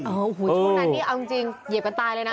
โอ้โหช่วงนั้นนี่เอาจริงเหยียบกันตายเลยนะ